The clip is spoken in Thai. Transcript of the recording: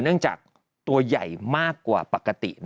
เนื่องจากตัวใหญ่มากกว่าปกติ